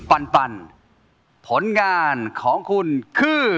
เป็นปัญหาที่มันคือ